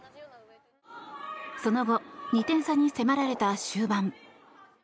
その後、２点差に迫られた終盤。